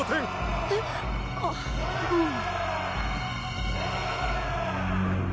えっ？あうん。